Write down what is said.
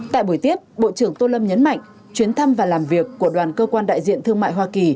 tại buổi tiếp bộ trưởng tô lâm nhấn mạnh chuyến thăm và làm việc của đoàn cơ quan đại diện thương mại hoa kỳ